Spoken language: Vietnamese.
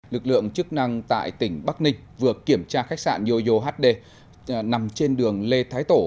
lực lượng chức năng tại tỉnh bắc ninh vừa kiểm tra khách sạn yoyo hd nằm trên đường lê thái tổ